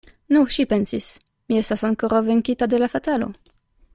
Nu, ŝi pensis, mi estas ankoraŭ venkita de la fatalo.